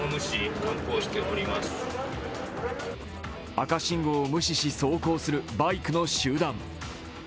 赤信号を無視し、走行するバイクの集団。